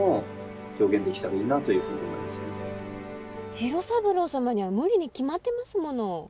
次郎三郎様には無理に決まってますもの。